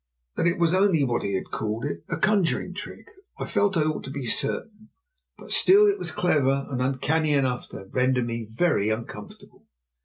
That it was only what he had called it, a conjuring trick, I felt I ought to be certain, but still it was clever and uncanny enough to render me very uncomfortable.